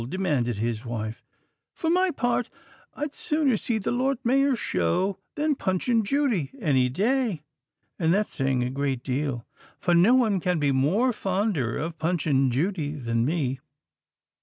demanded his wife. "For my part, I'd sooner see the Lord Mayor's show than Punch and Judy any day; and that's saying a great deal—for no one can be more fonder of Punch and Judy than me."